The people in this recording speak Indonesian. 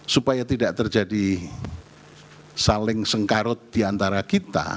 supaya tidak terjadi saling sengkarut diantara kita